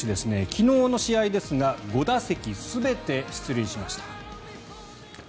昨日の試合ですが５打席全て出塁しました。